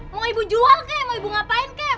mau ibu jual kek mau ibu ngapain kek